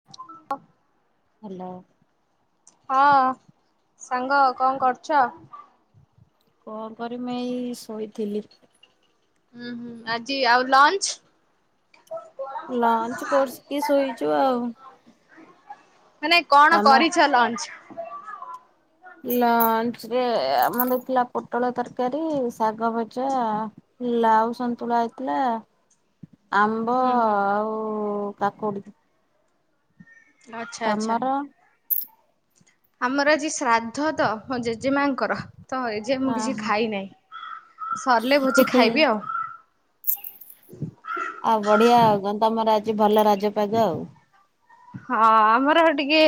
ହ ହ୍ୟାଲୋ। ହଁ ସାଙ୍ଗ କଣ କରୁଛ? କଣ କରିମୀ ଏଇ ଶୋଇଥିଲି। ଉ ହୁଁ ଆଜି ଆଉ ଲଞ୍ଚ ଲଞ୍ଚ କରସିକି ଶୋଇଛୁ ଆଉ। ମାନେ କଣ ଆମର କରିଛ ଲଞ୍ଚ? ଲଞ୍ଚ ରେ ଆମର ଥିଲା ପୋଟଳ ତରକାରୀ ଶାଗ ଭଜା ଲାଉ ସନ୍ତୁଳା ହେଇଥିଲା। ଆମ୍ବ ହୁଁ ହୁଁ ଆଉ କାକୁଡି। ଆଛା ଆଛା। ତମର ଆମର ଆଜି ଶ୍ରାଦ୍ଧ ତ ମୋ ଜେଜେମାଙ୍କର। ତ ଏ ଯେ ମୁଁ କିଛି ଓହୋ ଖାଇ ନାହିଁ ସରିଲେ ହିଁ ଭୋଜି ହିଁ ଖାଇବି ଆଉ। ଆଉ ବଢିଆ ଆଉ ତମର ଆଜି ଭଲ ରାଜପାଗ ଆଉ। ହଁ ଆମର ଟିକେ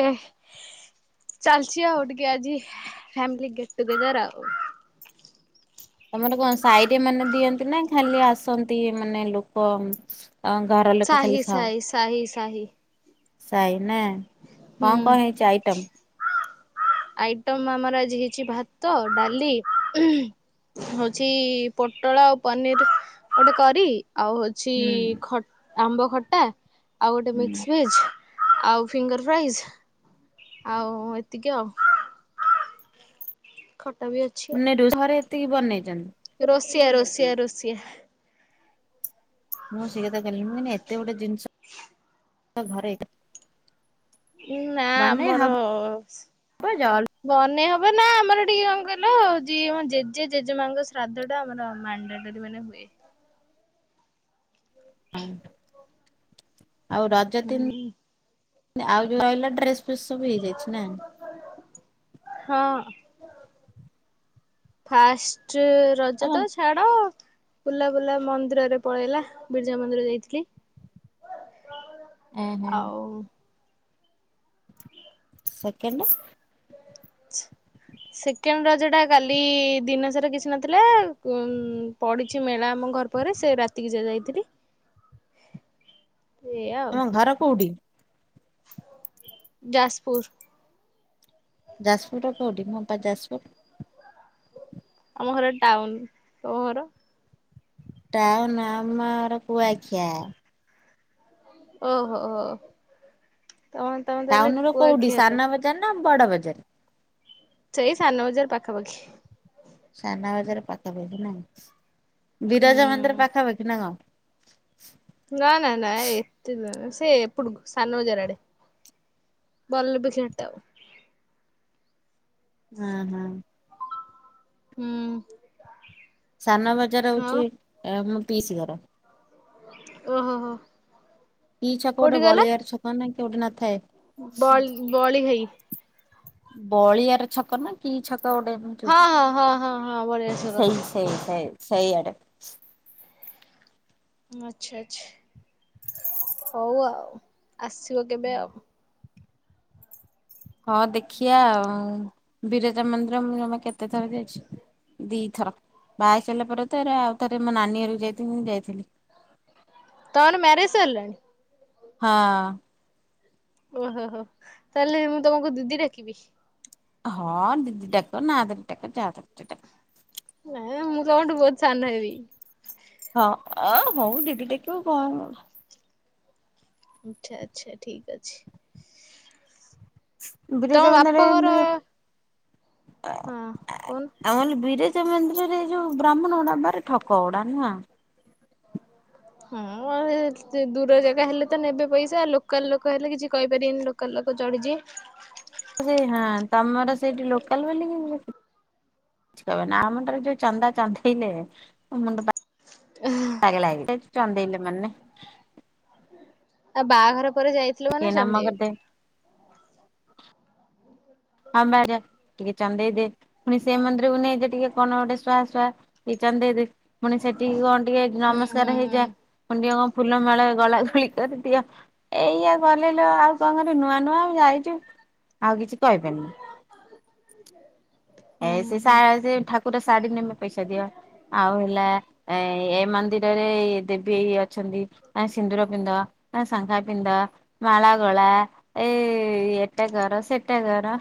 ଚାଲଛି ଆଉ ଟିକେ ଆଜି ଫ୍ୟାମିଲ ଗେଟ ଟୁଗେଦର ଆଉ। ତମର କଣ ସାହିରେ ମାନେ ଦିଅନ୍ତି ନା ଖାଲି ଆସନ୍ତି ମାନେ ଲୋକ ତମ ଘର ଲୋକ ଖାଲି ସାହି ଖାଓ? ସାହି ସାହି ସାହି ସାଇ ନା ହୁଁ। କଣ କଣ ହେଇଛି ଆଇଟମ? ଆଇଟମ ଆମର ଆଜି ହେଇଛି ଭାତ ଡାଲି ହଉଛି ପୋଟଳ ଆଉ ପନିର ଗୋଟେ କରି ଆଉ ହଉ ଛି ହୁଁ ଖ ଆମ୍ବ ଖଟା ଆଉ ଗୋଟେ ହୁଁ। ମିକ୍ସ ଭେଜ ଆଉ ଫିଙ୍ଗର ଫ୍ରାଇଜ ଆଉ ଏତିକି ଆଉ। ଖଟା ବି ଅଛି ଆଉ। ମାନେ ଘରେ ଏତିକି ବନେଇଛନ୍ତି। ରୋଷିଆ ରୋଷିଆ ରୋଷିଆ ମୁଁ ସେଇ କଥା କଲି ମୁଁ ଏତେ ଗୋଟେ ଜିନିଷ ଘରେ ଉ ନା ବନେଇ ଆମର ହବ ଜଲ୍ ବନେଇ ହବ ନା ଆମର ଟିକେ କଣ କହିଲ ଯିଏ ଆମ ଜେଜେ ଜେଜେମାଙ୍କ ଶ୍ରାଦ୍ଧ ଟା ଆମର ମାଣ୍ଡ ଟୋରି ମାନେ ହୁଏ। ହ ଆଉ ରଜ ତିନି ହୁଁ ଆଉ ଯଉ ରହିଲା ଡ୍ରେସ ଫେସ୍ ସବୁ ହେଇଯାଇଛି ନା? ହଁ ଫାଷ୍ଟ ତମ ରଜ ତ ଛାଡ ବୁଲା ବୁଲା ମନ୍ଦିରରେ ପଳେଇଲା ବିର୍ଜା ମନ୍ଦିର ଯାଇଥିଲି। ଏ ହେଁ। ଆଉ ସେକେଣ୍ଡ ସେକେଣ୍ଡ ରଜଟା କାଲି ଦିନସାରା କିଛି ନଥିଲା ଉ ପଡିଛି ମେଳା ଆମ ଘର ପରେ ସେ ରାତିକି ଯ ଯାଇଥିଲି। ତମ ଘର କୁଉଠି? ଯାଜପୁରୁ। ଯାଜପୁର ର କଉଠି? ମୋ ପା ଯାଜପୁର। ଆମ ଘର ଟାଉନ। ତମ ଘର? ଟାଉନୁ ଆମ ଘର କୁଆଖିଆ। ଓହୋ ହୋ ତମ ଟାଉନ ର କୋଉଠି ସାନା ବଜାର ନା ବଡ ବଜାର। ସେଇ ସାନ ବଜାର ପାଖାପାଖି। ସାନ ବାଜାର ପାଖାପଖି ନା ହୁଁ ବିରାଜା ମନ୍ଦିର ପାଖାପାଖି ନା କ'ଣ? ନା ନା ନା ଏତ ସେ ସାନବଜାର ଆଡ଼େ। ବଲରେ ବି ଖେଳିଟେ ଆଉ। ଓହୋ ହୁଁ। ସାନ ବଜାର ଆଉ ହଉଛି ମୁଁ ପିଇସି ଘର। ଓହୋ ହୋ। କି ଛକ କୋଉଠି ଗୋଟେ ବଳିଆର ଛକ ନା କି ଗୋଟେ ନଥାଏ। ବଳ ବଳିଘାଇ। ବଳିଆର ଛକ ନା କି ଛକ ଗୋଟେ। ହଁ ହଁ ହଁ ହଁ ହଁ ବଳିଆ ସର ସେଇ ସେଇ ସେ ସେଇ ଆଡ଼େ। ଆଚ୍ଛା ଆଚ୍ଛା। ହଉ ଆଉ। ଆସିବ କେବେ ଆଉ। ହଁ ଦେଖିଆ ଆଉ। ବିରଜା ମନ୍ଦିର ମୁଁ ଜମା କେତେ ଥର ଯାଇଛି ଦି ଥର। ବାହା ସାରିଲା ପରେ ତରେ ଆଉ ଥରେ ମୋ ନାନୀରକୁ ଯାଇଥିଲି ମୁଁ ଯାଇଥିଲି। ତମର ମ୍ୟାରେଜ ସାରିଲାଣି? ହଁ। ଓହୋ ହୋ ତାହେଲେ ମୁଁ ତମକୁ ଦିଦି ଡାକିବି। ହଁ ଦିଦି ଡାକ ନାଁ ଦରି ଡାକ ଯାହା ଡାକୁଚ ଡାକ। ହେଲା ଏ ମୁଁ ତମଠୁ ବହୁତ ସାନ ହେବି। ହଁ ଅ ହଉ ଦିଦି ଡାକିବୁ କ'ଣ ହେଲା? ଆଚ୍ଛା ଆଚ୍ଛା। ଠିକ୍ ଅଛି। ତମ ବିରଜା ବାପ ମନ୍ଦିରରେ ଘର ମିଳିଅ। ହଁ ଏ ଏ କହୁନ? ଆମ ବିର। ମନ୍ଦିରରେ ଏଇ ଯୋଉ ବ୍ରାହ୍ମଣ ଗୁଡା ଭାରି ଠକ ଗୁଡା ନାଁ। ହୁଁ ଦୂର ଜାଗା ହେଲେ ତ ନେବେ ପଇସା ଲୋକାଲ ଲୋକ ହେଲେ କିଛି କହିପାରିବେନି ଲୋ। ଲୋକାଲ ଲୋକ ଚଢ଼ିଯିବେ। ସେ ହଁ ତମର ସେଇଠି ଲୋକାଲ ବୋଲି କି। କିଛି କହିବ ନି। ଆ ମୁଣ୍ଡରେ ଯୋଉ ଚନ୍ଦା ଚନ୍ଦେଇଲେ ମୁଣ୍ଡ। ପାଗଳ। [unintelligible] ପାଗଳ ହୋଇଗଲି ଚନ୍ଦେଇଲେ ମାନେ। ଆ ବାହାଘର ପରେ ଯାଇଥିଲୁ ମାନେ ଚନ୍ଦେଇବେ। ହଁ ବାଜା ଟିକେ ଚନ୍ଦେଇଦି ପୁଣି ସେ ମନ୍ଦିରକୁ ନେଇ ଯେ ଟିକେ କଣ ଗୋଟେ ଶୁଆ ଶୁହା। ଚନ୍ଦେଇ ଦେ ପୁଣି ସେଠିକି କଣ ଟିକେ ହୁଁ ହୁଁ ନମସ୍କାର ହୁଁ ହେଇଯା। ନିଅ ଫୁଲ ମାଳା ଗଳା ଗଳି କରି ଦିଅ। ଏଇଆ ଗଲେଲୋ ଆଉ କଣ କରିଲୁ ନୂଆ ନୂଆ ଯାଇଛୁ ଆଉ କିଛି କହିପାରନୁ। ଏ ହୁଁ ସେ ହୁଁ ଠାକୁର। ପୁରା ଶାଢୀ ନେମେ ପଇସା ଦିଅ। ଆଉ ହେଲା ଏ ଏ ମନ୍ଦିରରେ ଦେବୀ। ଅଛନ୍ତି ସିନ୍ଦୁର ପିନ୍ଧାଅ। ସାଙ୍ଖା ପିନ୍ଧାଅ। ମାଳା ଗଳା। ଏଇ ଏଟା କର। ସେଟା କର।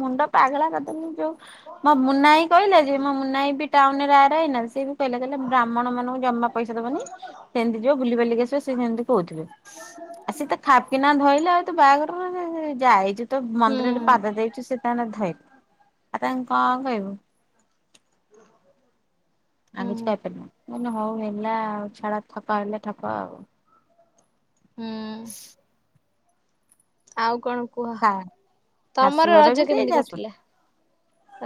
ମୁଣ୍ଡ ପାଗଳା କରିଦନି ଯୋଉ। ମୋ ମୁନାଇ କହିଲା ଯେ ମୋ ମୁନାଇ ବି ଟାଉନ ରେ ଆର ଆଇ ନା ସେ ବି କହିଲା। କଇଲା ବ୍ରାହ୍ମଣ ମାନଙ୍କୁ ଜମା। ପଇସା ଦବନି ସେମିତି ଯିବ ବୁଲି ବାଲିକି ଆସିବ। ସେ ସେମିତି କଉଥିବେ। ଆଉ ସେ ତ ଖାପକିନା ଧଇଲେ। ଆଉ ତ ବାହାଘର ର ଯାଇଛୁ ତ ହୁଁ ମନ୍ଦିରରେ ହୁଁ ପାଦ ଦେଇଛୁ ସେ। ତା ଧଇ ଆଉ ତାଙ୍କୁ କଅଣ କଇବୁ। ଆଉ କିଛି ହୁଁ କଇପାରିବୁନି। ମୁଁ କଇଲି ହୋଉ ହେଲା ଆଉ ଛାଡ ଠକ ହେଲେ ଠକ ଆଉ। ହୁଁ। ଆଉ କଣ କୁହ? ହା ତମର ରଜ ଶାଶୂଘର ବି ସେ କେମିତି ଯାଜ କଟିଲା?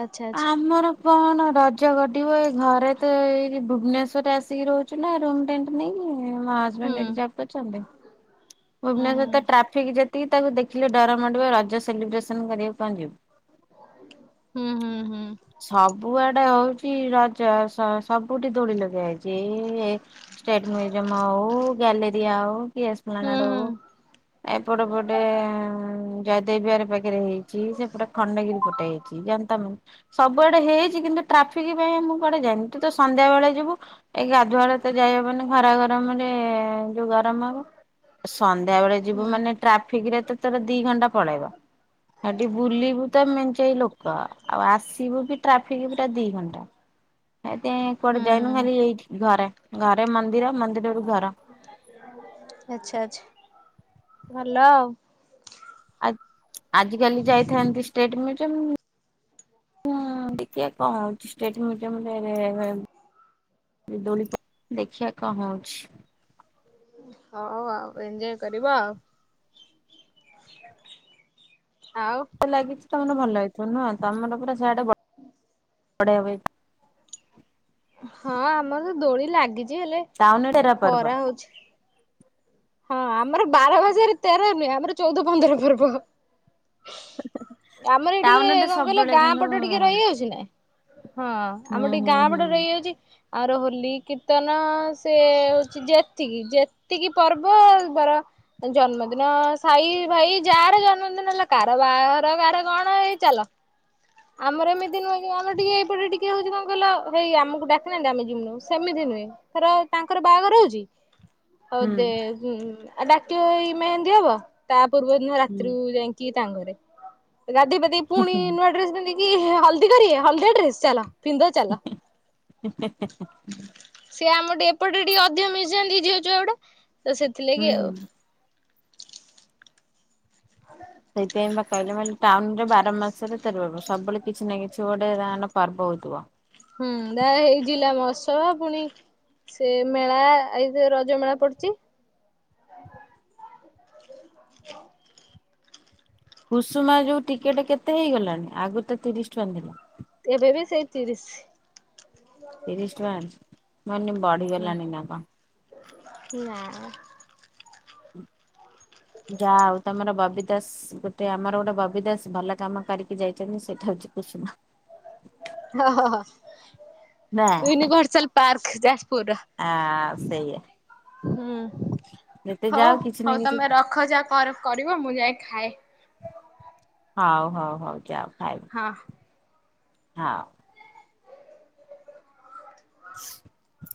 ଆଚ୍ଛା ଆଚ୍ଛା ଆମର କଣ ରଜ ଘଟିବ ଏ ଘରେ ତ ଏଇ ଭୁବନେଶ୍ଵରରେ ଆସିକି ରହୁଛୁ ନା। [unintelligible] ନେଇକି ମୋ ହୁଁ ହଜବେଣ୍ଟ [unintelligible] ହୁଁ ଭୁବେନଶ୍ୱର ତ ଟ୍ରାଫିକ ଯେ, ଟିକେ ତାକୁ ଦେଖିଲେ ଡର ମଡ଼ିବ ରଜ ସେଲିବ୍ରେସନ କରିବାକୁ ପହଞ୍ଚିବ। ହୁଁ ହୁଁ ହୁଁ। ସବୁଆଡେ ହଉଛି ରଜ ସବୁଠି ଦୋଳି ଲଗେଇ ଏଇ ଷ୍ଟେଟ ମ୍ୟୁଜିୟମ ଆଉ ଗ୍ୟାଲରି ଆଉ ହୁଁ ଏକ୍ସମ୍ୟାଟ ହୁଁ ହୋଉ। ଏପଟେ ପଟେ ଜୟଦେବ ବିହାର ପାଖରେ ହେଇଛି ସେପଟେ ଖଣ୍ଡଗିରି ପଟେ ହେଇଛି। ଜନ୍ତା ମାନ ସବୁଆଡେ ହେଇଛି କିନ୍ତୁ ଟ୍ରାଫିକ ପାଇଁ ମୁଁ କୁଡେ ଯାଇନି ତୁ ତ ସନ୍ଧ୍ୟା ବେଳେ ଯିବୁ। ଏଇ ଗାଧୁଆଡ ତ ଯାଇହବନି ଖରା ଗରମରେ ଯୋଉଁ ଗରମ ହବ। ସନ୍ଧ୍ୟା ବେଳେ ହୁଁ ଯିବୁ ମାନେ ଟ୍ରାଫିକ ରେ ତ ତୋର ଦି ଘଣ୍ଟା ପଳେଇବ। ହେଠି ବୁଲିବୁ ତ ମେଞ୍ଚାଇ ଲୋକ ଆଉ ଆସ ଠିବୁ ଟ୍ରାଫିକ ପା ଦି ଘଣ୍ଟା ଏତ କୁଆଡେ ଯାଇନୁ ହୁଁ ଖାଲି ଏଇ ଘରେ। ଘରେ ମନ୍ଦିର ମନ୍ଦିରରୁୁ ଘର। ଆଚଛା ଆଛା ଭଲ ଆଉ। ଆଜ କାଲି ଯାଇଥାନ୍ତି ଷ୍ଟେଟ ମିଉଜିୟମ ଦେଖ ହ ଷ୍ଟେଟ ମିଜୟମ ରେ ବି ଦୋଳି ଦେଖିବା କଣ ହଉଛି। ହଉ ଆଉ ଏଞ୍ଜୟ କରିବ ଆଉ। ଆଉ ଲାଗିଛି ତମର ଭଲ ହେଇଥିବ ନୁହଁ ତମର ପୁରା ସିଆଡେ ହୁଁ। [unintelligible] ହଁ ଆମର ତ ଦୋଳି ଲାଗିଛି ହେଲେ ଟାଉନୁ ହଁ ରେ [unintelligible] ଖରା ହଉଛି ହଁ ଆମର ବାରବାଜାରେ ତେର ନୁହେଁ ଆମର ଚଉଦ ପନ୍ଦର ପର୍ବ। ଆମର ଟିକେ ଟାଉନରେ କଣ କହିଲ ସବୁବେଳେ ଗାଁ କିନ୍ତୁ ପଟ ଟିକେ ରହିଯାଉଛି ନା? ହଁ ହୁଁ ଆମର ଟିକେ ହୁଁ ଗାଁ ହୁଁ ପଟ ରହିଯାଉଛି। ଆର ହୋଲି କୀର୍ତ୍ତନ ସେ ହଉଛି ଯେତିକି ଯେତିକି ପର୍ବ ବରା ଜନ୍ମଦିନ ସାଇ ଭାଇ ଯାହାର ଜନ୍ମଦିନ ହେଲା କାର ବାହାର କାର କଣ ଏଇ ଚାଲ। ଆମର ଏମିତି ନୁହେଁ ଆମ ଟିକେ ଏପଟେ ଟିକେ ହଉଛି କିଲ ହେଇ ଆମକୁ ଡାକନାହାନ୍ତି ଆମେ ଜିମୁ ସେମିତି ନୁହଁ। ତାଙ୍କର ବାହାଘର ହହୁଛି? ହୁଁ ସେ ଉଁ ଡାକିବେ ମେହେନ୍ଦୀ ହବ ତା ପୂର୍ବ ଦିନ ରାତିରୁ ହୁଁ। ଯାଇକି କି ତାଙ୍କରେ ଗାଧହେଇ ପାଧେଇକି ପୁଣି ନୂଆ ଡ୍ରେସ କି ହଳଦୀ କରିବେ ହଳଦିଆ ଡ୍ରେସ ଚାଲ। ପିନ୍ଦ ଚାଲ। ସିଏ ଆମର ଟିକେ ଏପଟେ ଟିକେ ଅଧିକ ମିଶିଆନ୍ତି ଝିଅ ଛୁଆ ଗୁଡା ତ ହୁଁ ସେଥିଲାଗି ହୁଁ। ଆଉ। ଆ ସେଇଥିପାଇଁ ବା କହିଲେ ମ ଟାଉନ ରେ ବାର ମାସରେ ତେର ପର୍ବ ସବୁବେଳେ କିଛି ନା କିଛି ଗୋଟେ ଯାହାହେଲେ ପର୍ବ ହଉଥିବ। ହୁଁ ତାହେଲେ ଏଇ ଜିଲ୍ଲା ମୋହଶବ ଫୁଣି ସେ ମେଳା ଏଇ ରଜ ମେଳା ପଡୁଛି। ହ କୁସୁମା ଯୋଉ ଟିକେଟ କେତେ ହେଇଗଲାଣି ଆଗରୁ ତ ତିରିଶ ଟଙ୍କା ଥିଲା? ଏବେ ବି ସେଇ ତିରିଶ। ତିରିଶ ଟଙ୍କା ମୁଁ କହିଲି ବଢିଗଲାଣି ନା ହୁଁ କଣ? ନା। ଯା ଆଉ ତମର ବବି ଦାସ ଗୋଟେ ଆମର ଗୋଟେ ବବି ଦାସ ଭଲ କାମ କରିକି ଯାଇଛନ୍ତି ସେଇଟା ହଉଛି କୁସୁମା। ହ ହ ହ ନା ୟୁନଭର୍ସଲ ପାର୍କ ଯାଜପୁର। ଆ ସେଇଆ। ହୁଁ ଯେତେ ହଉ ଯାଉ କିଛି ନା ହଉ କିଛି ତମେ ରଖ ଯା କରିବ ମୁଁ ଯାଇ ଖାଏ। ହାଉ ହଉ ହଉ ଯାଅ। ହଁ। ହଁ। [inaudible]